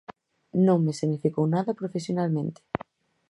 Non me significou nada profesionalmente.